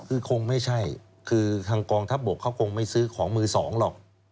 คือคงไม่ใช่คือทางกองทัพบกเขาคงไม่ซื้อของมือสองหรอก